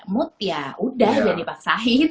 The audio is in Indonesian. mood ya udah gak dipaksain